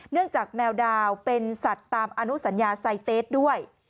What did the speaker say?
จากแมวดาวเป็นสัตว์ตามอนุสัญญาไซเตสด้วย